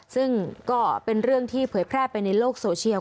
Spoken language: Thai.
ซึ่งก็เป็นเรื่องที่เผยแพร่ไปในโลกโซเชียล